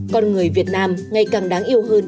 còn người việt nam ngày càng đáng yêu hơn